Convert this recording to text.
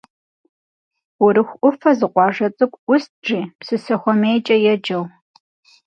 Урыху ӏуфэ зы къуажэ цӏыкӏу ӏуст, жи, Псысэхуэмейкӏэ еджэу.